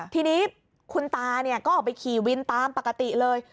ทีนี้คุณตาก็ออกไปขี่วินตามปกติเลย